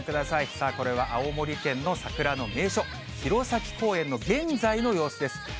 さあ、これは青森県の桜の名所、弘前公園の現在の様子です。